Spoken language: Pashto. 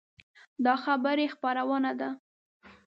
دا خبري خپرونه ده